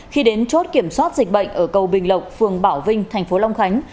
khi đến chốt kiểm soát dịch bệnh ở cầu bình lộc phường bảo vinh tp long khánh